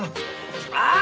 ああ！